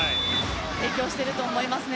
成長していると思います。